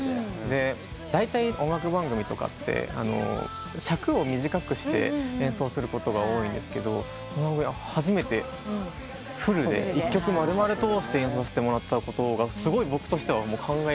だいたい音楽番組とかって尺を短くして演奏することが多いんですけど初めてフルで一曲丸々通して演奏させてもらったことがすごい僕としては感慨深くて。